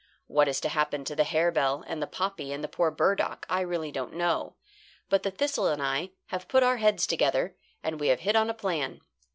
What is to happen to the harebell and the poppy and the poor burdock I really don't know. But the thistle and I have put our heads together, and we have hit on a plan.